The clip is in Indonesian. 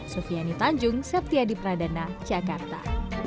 sufiani tanjung septiadi pradana jakarta